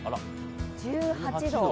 １８度。